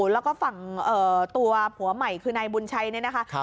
แล้วก็ฝั่งตัวผัวใหม่คือนายบุญชัยเนี่ยนะคะ